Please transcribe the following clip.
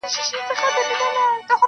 خدای مي تاج وو پر تندي باندي لیکلی-